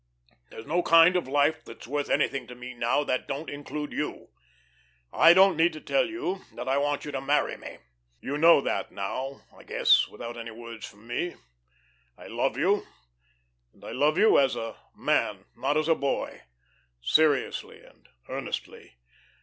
There's no kind of life that's worth anything to me now that don't include you. I don't need to tell you that I want you to marry me. You know that by now, I guess, without any words from me. I love you, and I love you as a man, not as a boy, seriously and earnestly.